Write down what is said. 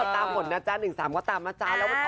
ตามหมดนะจ๊ะ๑๓ก็ตามนะจ๊ะ